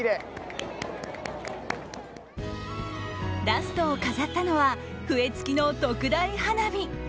ラストを飾ったのは笛付きの特大花火。